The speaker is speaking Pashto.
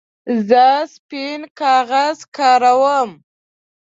زه سپین کاغذ کاروم.